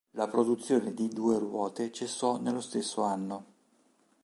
La produzione di due ruote cessò nello stesso anno.